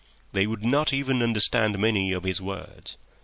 They would not even understand many of his words.